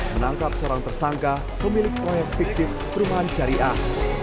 menangkap seorang tersangka pemilik proyek fiktif perumahan syariah